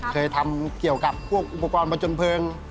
เคยทำมาครับเคยทำเกี่ยวกับพวกอุปกรณ์ประจนเพิง